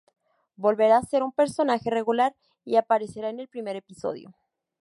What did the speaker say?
Volverá a ser un personaje regular y aparecerá en el primer episodio.